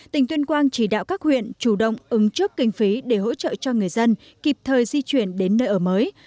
tỉnh tuyên quang chỉ đạo các huyện chủ động ứng trước kinh phí để hỗ trợ cho người dân kịp thời di chuyển đến nơi ở mới